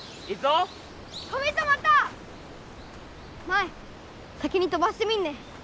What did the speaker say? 舞先に飛ばしてみんね。